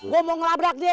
gue mau ngelabrak dia